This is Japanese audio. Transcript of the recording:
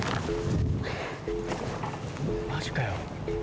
マジかよ。